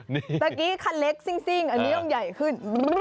เมื่อกี้คันเล็กซิ่งอันนี้ต้องใหญ่ขึ้น